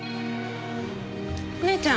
お姉ちゃん？